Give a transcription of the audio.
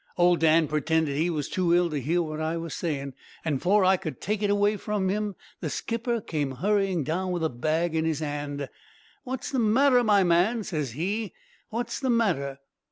Old Dan pretended he was too ill to hear what I was saying, an' afore I could take it away from him, the skipper comes hurrying down with a bag in his 'and. "'What's the matter, my man?' ses he, 'what's the matter?'